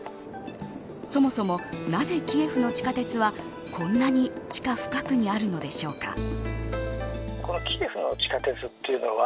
そもそもなぜキエフの地下鉄はこんなに地下深くにあるのでしょうか。